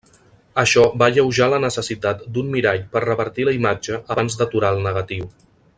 Això va alleujar la necessitat d'un mirall per revertir la imatge abans d'aturar el negatiu.